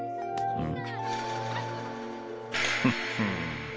うん？